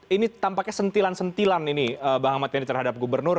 ini tampaknya sentilan sentilan ini bang ahmad yani terhadap gubernur